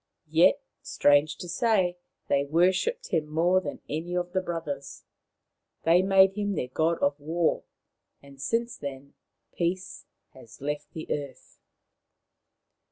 Yet, strange to say, they worshipped him more than any of the brothers. They made him their god of war ; and since then peace has left the earth.